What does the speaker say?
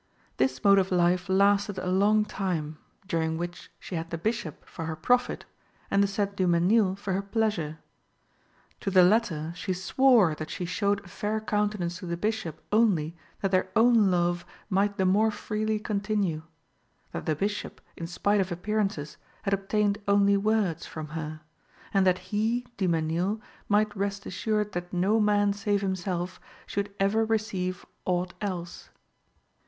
This mode of life lasted a long time, during which she had the Bishop for her profit and the said Du Mesnil for her pleasure. To the latter she swore that she showed a fair countenance to the Bishop only that their own love might the more freely continue; that the Bishop, in spite of appearances, had obtained only words, from her; and that he, Du Mesnil, might rest assured that no man, save himself, should ever receive aught else.